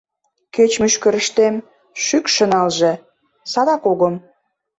Кеч мӱшкырыштем шӱкшӧ налже — садак огым!